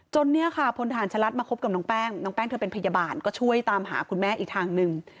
เนี่ยค่ะพลฐานชะลัดมาคบกับน้องแป้งน้องแป้งเธอเป็นพยาบาลก็ช่วยตามหาคุณแม่อีกทางหนึ่ง